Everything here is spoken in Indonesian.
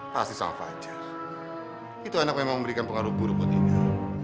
pasti sama fajar itu anak yang mau memberikan pengaruh buruk buat inal